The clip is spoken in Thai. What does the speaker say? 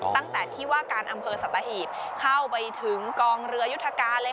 ตั้งแต่ที่ว่าการอำเภอสัตหีบเข้าไปถึงกองเรือยุทธการเลยค่ะ